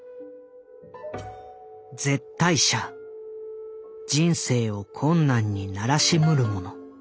「絶対者人生を困難にならしむるもの」。